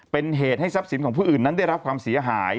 เป็นเหตุให้ทรัพย์สินของผู้อื่นนั้นได้รับความเสียหาย